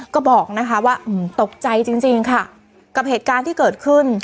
ก็บอกนะคะว่าตกใจจริงค่ะกับเหตุการณ์ที่เกิดขึ้น